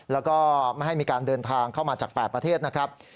แล้วก็ไม่ให้มีการเดินทางเข้ามาจาก๘ประเทศนะครับ